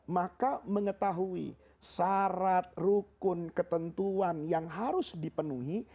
maka mengetahui syarat rukun ketentuan yang harus dipenuhi